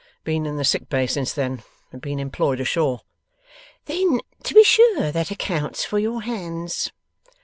Been in the sick bay since then, and been employed ashore.' 'Then, to be sure, that accounts for your hands.